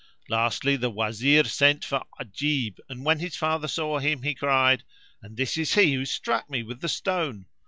Lastly the Wazir sent for Ajib; and when his father saw him he cried, "And this is he who struck me with the stone!"